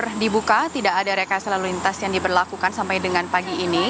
semua lajur dibuka tidak ada reka selalu lintas yang diberlakukan sampai dengan pagi ini